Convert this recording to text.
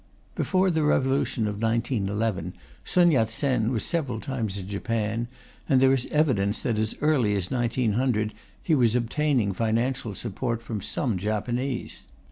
Before the revolution of 1911, Sun Yat Sen was several times in Japan, and there is evidence that as early as 1900 he was obtaining financial support from some Japanese.